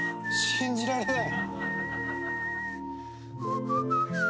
信じられない。